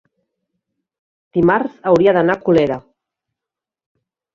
dimarts hauria d'anar a Colera.